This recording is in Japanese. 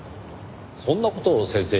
そんな事を先生に？